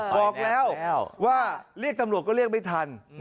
บอกแล้วว่าเรียกตำรวจก็เรียกไม่ทัน